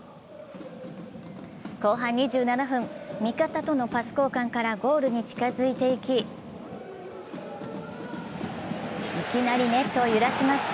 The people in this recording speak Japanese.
後半２７分、味方とのパス交換からゴールに近づいていき、いきなりネットを揺らします。